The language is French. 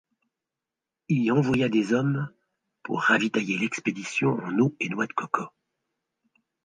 Il y envoya des hommes pour ravitailler l'expédition en eau et noix de coco.